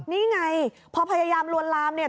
นี่ไงพอพยายามลวนลามเนี่ย